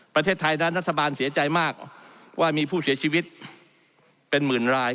ประเทศไทยนั้นรัฐบาลเสียใจมากว่ามีผู้เสียชีวิตเป็นหมื่นราย